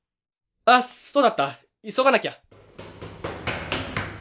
あっそうだった急がなきゃ！